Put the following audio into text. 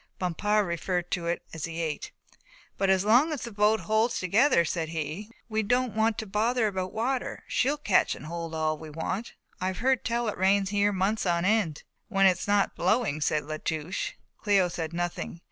Bompard referred to it as he ate. "But as long as the boat holds together," said he, "we don't want to bother about water; she'll catch and hold all we want. I've heard tell it rains here months on end." "When it's not blowing," said La Touche. Cléo said nothing.